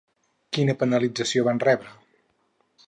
Quina penalització van rebre?